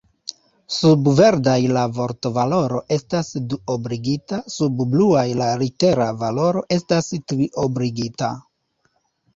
Sub verdaj la vortvaloro estas duobligita, sub bluaj la litera valoro estas triobligita.